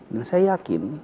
dan saya yakin